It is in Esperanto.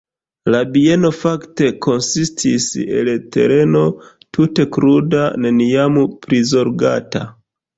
La bieno fakte konsistis el tereno tute kruda, neniam prizorgata.